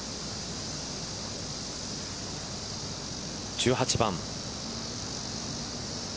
１８番。